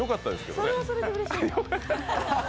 それはそれでうれしい。